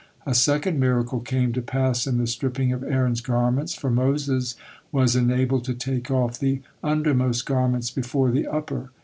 A second miracle came to pass in the stripping of Aaron's garments, for Moses was enabled to take off the undermost garments before the upper.